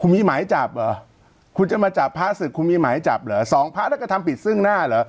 มีหมายจับเหรอคุณจะมาจับพระศึกคุณมีหมายจับเหรอสองพระแล้วก็ทำผิดซึ่งหน้าเหรอ